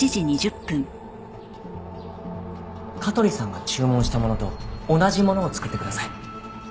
香取さんが注文したものと同じものを作ってください。